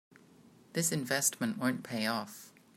This investment won't pay off.